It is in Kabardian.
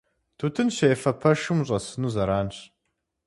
Тутын щефэ пэшым ущӀэсыну зэранщ.